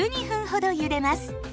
１２分ほどゆでます。